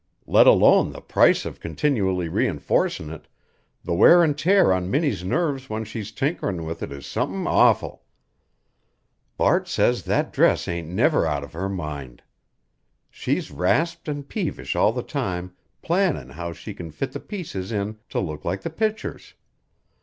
Let alone the price of continually reenforcin' it, the wear an' tear on Minnie's nerves when she's tinkerin' with it is somethin' awful. Bart says that dress ain't never out of her mind. She's rasped an' peevish all the time plannin' how she can fit the pieces in to look like the pictures.